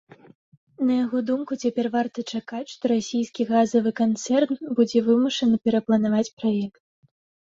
На яго думку, цяпер варта чакаць, што расійскі газавы канцэрн будзе вымушаны перапланаваць праект.